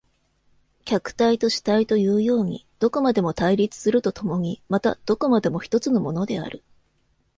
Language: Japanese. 客体と主体というようにどこまでも対立すると共にまたどこまでも一つのものである。